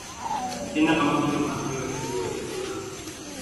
Kenya Kama vile Maasai Wakikuyu Wajaluo na